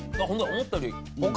思ったより。